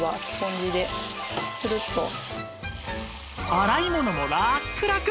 洗い物もラックラク！